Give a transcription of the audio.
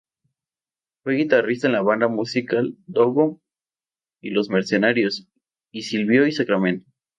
Fue guitarrista en la banda musical Dogo y los Mercenarios y "Silvio y Sacramento".